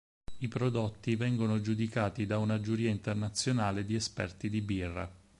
I prodotti vengono giudicati da una giuria internazionale di esperti di birra.